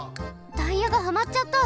タイヤがハマっちゃった！